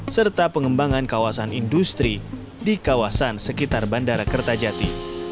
serta pengembangan kawasan industri di kawasan sekitar bandara kertajati